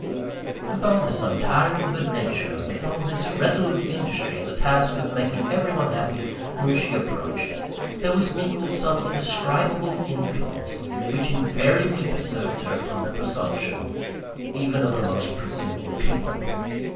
With all this untiring good nature, with all this resolute industry in the task of making every one happy whom she approached, there was mingled some indescribable influence, which invariably preserved her from the presumption, even of the most presuming people.